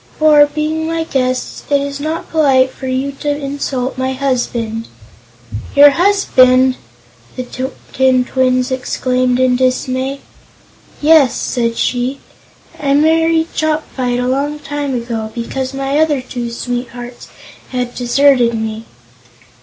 For, being my guests, it is not polite for you to insult my husband." "Your husband!" the tin twins exclaimed in dismay. "Yes," said she. "I married Chopfyt a long time ago, because my other two sweethearts had deserted me."